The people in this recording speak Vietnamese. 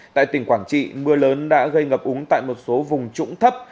tại tỉnh quảng trị mưa lớn đã gây ngập úng tại một số vùng trũng thấp